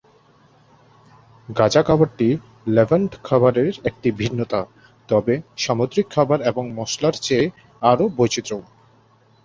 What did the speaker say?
গাজা খাবারটি লেভান্ট খাবারের একটি ভিন্নতা, তবে সামুদ্রিক খাবার এবং মশলার চেয়ে আরও বৈচিত্র্যময়।